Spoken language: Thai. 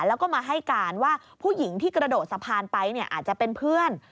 แล้วก็มาให้การว่าผู้หญิงที่กระโดดสะพานไปอาจจะเป็นเพื่อน